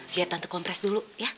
biar tante kompres dulu